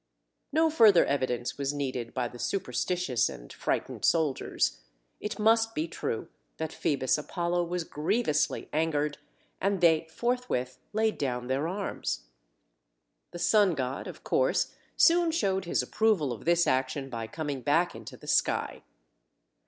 No further evidence was needed by the superstitious and frightened soldiers. It must be true that Phoebus Apollo was grievously angered, and they forthwith laid down their arms. The sun god, of course, soon showed his approval of this action by coming back into the sky.